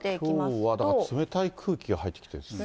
きょうはだから、冷たい空気が入ってきてるんですね。